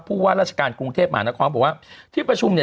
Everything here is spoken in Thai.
ว่าราชการกรุงเทพมหานครบอกว่าที่ประชุมเนี่ย